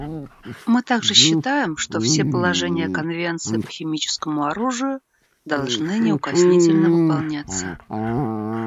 Мы также считаем, что все положения Конвенции по химическому оружию должны неукоснительно выполняться.